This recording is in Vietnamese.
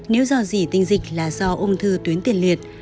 nếu do dì tinh dịch là do ung thư tuyến tiền liệt